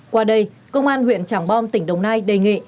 qua đây công an huyện trảng bom tỉnh đồng nai đề nghị